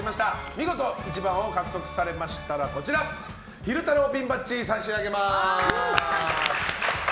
見事１番を獲得されましたら昼太郎ピンバッジ差し上げます。